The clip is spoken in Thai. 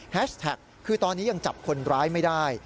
แท็กคือตอนนี้ยังจับคนร้ายไม่ได้